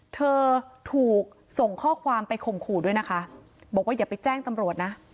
เธอถูกส่งข้อความไปข่มขู่ด้วยนะคะบอกว่าอย่าไปแจ้งตำรวจนะ